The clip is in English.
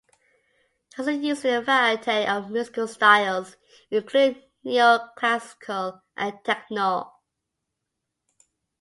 He also uses a variety of musical styles, including neo-classical and techno.